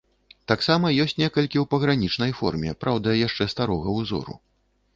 Таксама ёсць некалькі ў пагранічнай форме, праўда, яшчэ старога ўзору.